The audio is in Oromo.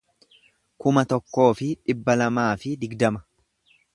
kuma tokkoo fi dhibba lamaa fi digdama